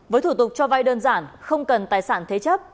với thủ tục cho vay đơn giản không cần tài sản thế chấp